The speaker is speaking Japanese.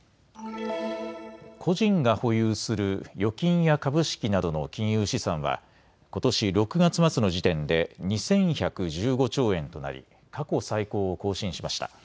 個人が保有する預金や株式などの金融資産はことし６月末の時点で２１１５兆円となり過去最高を更新しました。